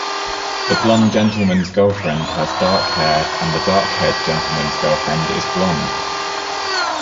The blond gentleman's girlfriend has dark hair and the dark-haired gentleman's girlfriend is blonde.